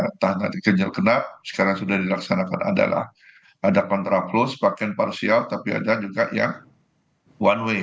entah nanti ganjil genap sekarang sudah dilaksanakan adalah ada contraflows pakaian parsial tapi ada juga yang one way